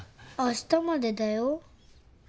あしたまでだよ。